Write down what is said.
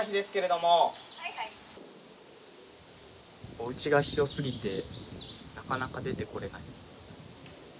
お家が広すぎてなかなか出てこられない。